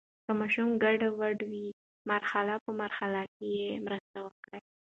که ماشوم ګډوډ وي، مرحلې په مرحله یې مرسته وکړئ.